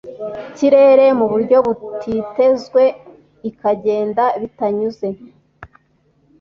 kirere mu buryo butitezwe ikagenda bitanyuze